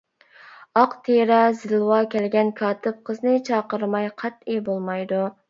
ئاق تىرە، زىلۋا كەلگەن كاتىپ قىزنى چاقىرماي قەتئىي بولمايدۇ.